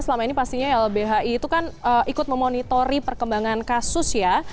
selama ini pastinya lbhi itu kan ikut memonitori perkembangan kasus ya